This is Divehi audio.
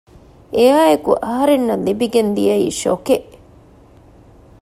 އެއާއެކު އަހަރެންނަށް ލިބިގެން ދިޔައީ ޝޮކެއް